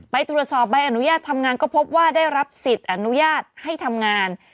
ไปตรวจสอบใบอนุญาตทำงานก็พบว่าได้รับสิทธิ์อนุญาตให้ทำงาน